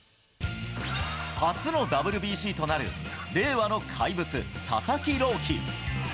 初のＷＢＣとなる令和の怪物、佐々木朗希。